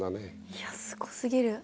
いやすごすぎる。